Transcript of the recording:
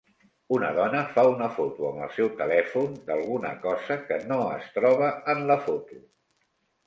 Una dona fa una foto amb el seu telèfon, d'alguna cosa que no es troba en la foto.